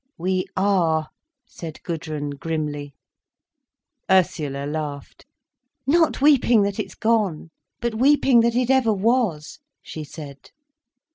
"We are," said Gudrun, grimly. Ursula laughed. "Not weeping that it's gone, but weeping that it ever was," she said.